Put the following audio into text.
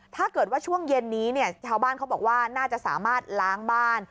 ถ้าเกิดว่าช่วงเย็นนี้เนี่ยชาวบ้านเขาบอกว่าน่าจะสามารถล้างบ้าน